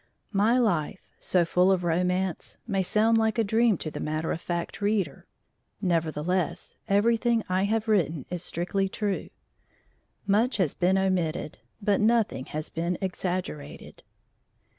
My life, so full of romance, may sound like a dream to the matter of fact reader, nevertheless everything I have written is strictly true; much has been omitted, but nothing has been exaggerated.